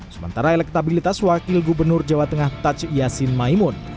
sementara elektabilitas wakil gubernur jawa tengah tachiasin maimun